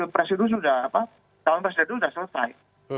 presidu sudah selesai